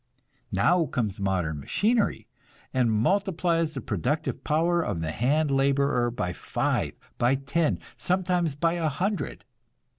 Now comes modern machinery, and multiplies the productive power of the hand laborer by five, by ten, sometimes by a hundred.